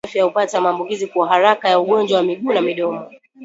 Wanyama wadhaifu kiafya hupata maambukizi kwa haraka ya ugonjwa wa miguu na midomo